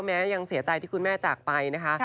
ยังเสียใจที่คุณแม่จากไปนะคะ